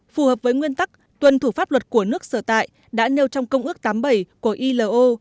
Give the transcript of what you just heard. phù hợp với nguyên tắc tuân thủ pháp luật của nước sở tại đã nêu trong công ước tám mươi bảy của ilo